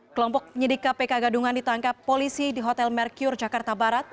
kelompok penyidik kpk gadungan ditangkap polisi di hotel merkure jakarta barat